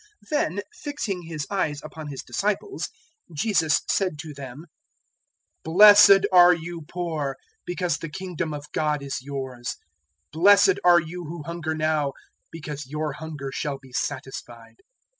006:020 Then fixing His eyes upon His disciples, Jesus said to them, "Blessed are you poor, because the Kingdom of God is yours. 006:021 "Blessed are you who hunger now, because your hunger shall be satisfied.